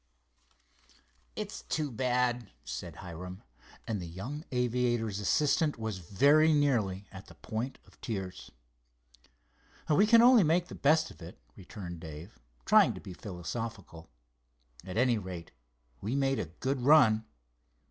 "It's too bad," said Hiram, and the young aviator's assistant was very nearly at the point of tears. "We can only make the best of it," returned Dave, trying to be philosophical. "At any rate, we made a grand run."